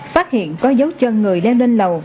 phát hiện có dấu chân người lên lên lầu